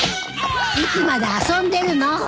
いつまで遊んでるの！